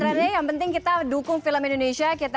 tapi apapun genre ini yang penting kita dukung film indonesia gitu ya